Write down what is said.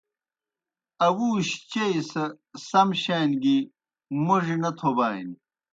اَوُوشِیْ چیئی سہ سم شان گیْ موڙیْ نہ تھوبانیْ۔